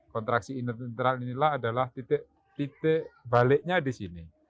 kontraksi internal inilah adalah titik baliknya di sini